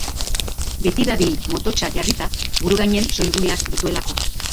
Beti dabil mototsa jarrita, burugainen soilguneak dituelako.